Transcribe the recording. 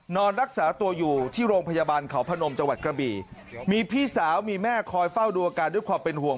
นอนรักษาตัวอยู่ที่โรงพยาบาลเขาพนมจังหวัดกระบี่มีพี่สาวมีแม่คอยเฝ้าดูอาการด้วยความเป็นห่วง